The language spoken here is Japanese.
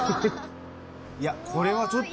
これはちょっと。